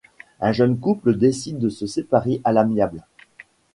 Un jeune couple décide de se séparer à l’amiable.